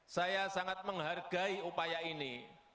saya sangat menghargai upaya ini